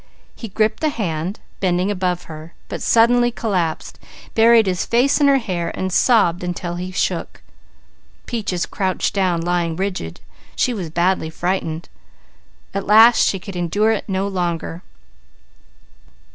He gripped the hand, bending above her, but suddenly collapsed, buried his face in her hair and sobbed until he shook. Peaches crouched down, lying rigidly. She was badly frightened. At last she could endure it no longer.